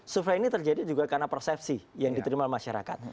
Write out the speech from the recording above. survei ini terjadi juga karena persepsi yang diterima masyarakat